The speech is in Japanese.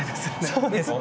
そうですね。